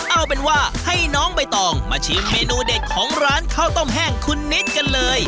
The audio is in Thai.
เอาเป็นว่าให้น้องใบตองมาชิมเมนูเด็ดของร้านข้าวต้มแห้งคุณนิดกันเลย